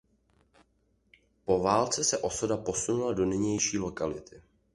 Po válce se osada posunula do nynější lokality.